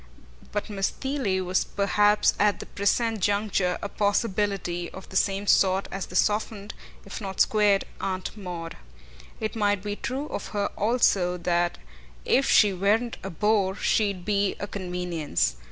But Miss Theale was perhaps at the present juncture a possibility of the same sort as the softened, if not the squared, Aunt Maud. It might be true of her also that if she weren't a bore she'd be a convenience.